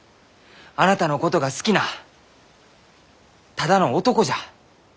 あなたのことが好きなただの男じゃ！